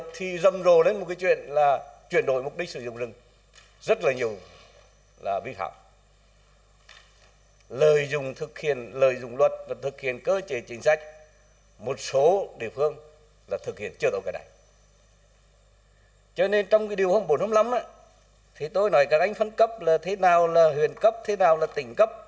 trong điều hôm bốn trăm năm mươi năm tôi nói các anh phân cấp là thế nào là huyền cấp thế nào là tỉnh cấp